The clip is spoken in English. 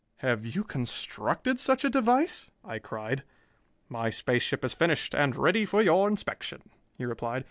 "Have you constructed such a device?" I cried. "My space ship is finished and ready for your inspection," he replied.